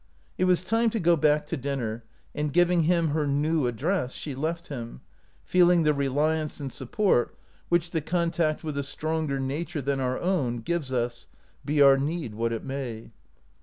It was time to go back to dinner, and, giving him her new address, she left him, feeling the reliance and support which the contact with a stronger nature than our own gives us, be our need what it may.